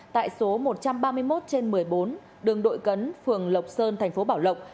tại số một trăm ba mươi một trên một mươi bốn đường đội cấn phường lộc sơn thành phố bảo lộc